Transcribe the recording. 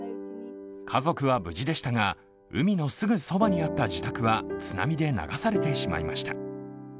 家族は無事でしたが、海のすぐそばにあった自宅は津波で流されてしまいました。